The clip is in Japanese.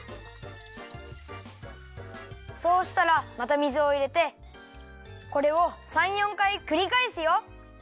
そうしたらまた水をいれてこれを３４かいくりかえすよ。